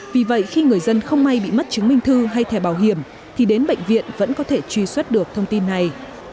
vì vậy khi người dân không may bị mất chứng minh thư hay thẻ bảo hiểm thì đến bệnh viện vẫn có thể truy xuất được thông tin này